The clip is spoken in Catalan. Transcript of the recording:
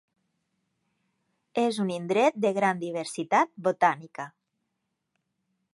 És un indret de gran diversitat botànica.